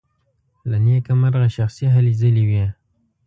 له نېکه مرغه شخصي هلې ځلې وې.